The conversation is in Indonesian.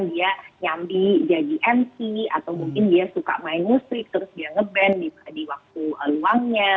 dia nyambi jadi mc atau mungkin dia suka main musik terus dia nge ban di waktu luangnya